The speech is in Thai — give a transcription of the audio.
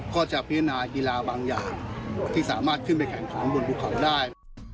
ก็จะพิจารณากีฬาบางอย่างที่สามารถขึ้นไปแข่งขันบนภูเขาได้